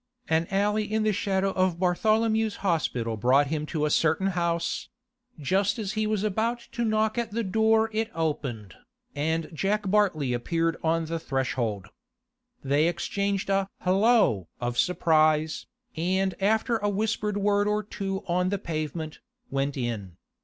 An alley in the shadow of Bartholomew's Hospital brought him to a certain house: just as he was about to knock at the door it opened, and Jack Bartley appeared on the threshold. They exchanged a 'Holloa!' of surprise, and after a whispered word or two on the pavement, went in.